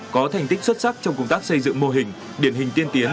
có thành tích xuất sắc trong công tác xây dựng mô hình điển hình tiên tiến